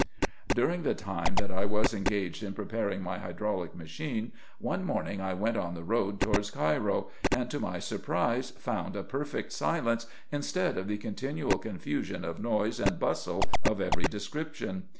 During the time that I was engaged in preparing my hydraulic machine, one morning I went on the road towards Cairo, and, to my surprise, found a perfect silence, instead of the continual confusion of noise and bustle of every description.